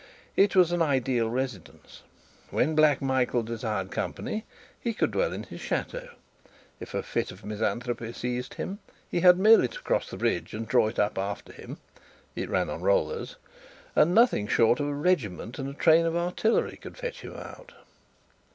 It was an ideal residence: when "Black Michael" desired company, he could dwell in his chateau; if a fit of misanthropy seized him, he had merely to cross the bridge and draw it up after him (it ran on rollers), and nothing short of a regiment and a train of artillery could fetch him out.